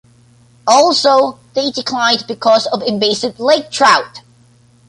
Also, they declined because of invasive lake trout.